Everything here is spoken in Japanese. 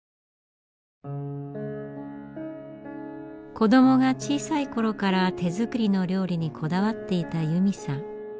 子どもが小さい頃から手作りの料理にこだわっていた由美さん。